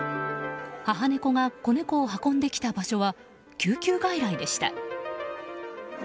母猫が子猫を運んできた場所は救急外来でした。